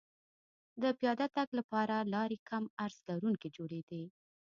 د پیاده تګ لپاره لارې کم عرض لرونکې جوړېدې